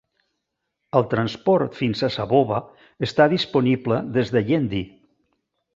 El transport fins a Saboba està disponible des de Yendi.